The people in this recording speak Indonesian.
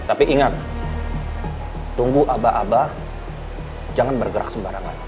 tapi ingat tunggu aba aba jangan bergerak sembarangan